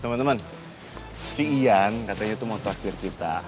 teman teman si ian katanya tuh mau traktir kita